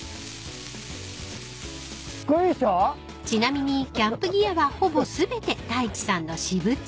［ちなみにキャンプギアはほぼ全て太一さんの私物］